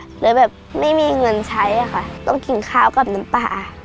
เลยแบบไม่มีเงินใช้ค่ะต้องกินข้าวกับน้ำปลา